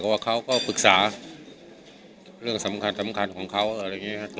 ว่าเขาก็ปรึกษาเรื่องสำคัญของเขาอะไรอย่างนี้ครับ